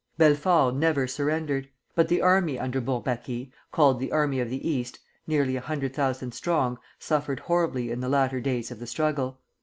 Belfort never surrendered. But the army under Bourbaki, called the Army of the East, nearly a hundred thousand strong, suffered horribly in the latter days of the struggle.